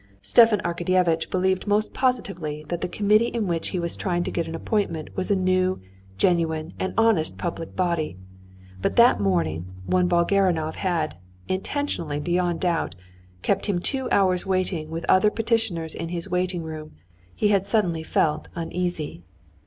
Stepan Arkadyevitch believed most positively that the committee in which he was trying to get an appointment was a new, genuine, and honest public body, but that morning when Volgarinov had—intentionally, beyond a doubt—kept him two hours waiting with other petitioners in his waiting room, he had suddenly felt uneasy.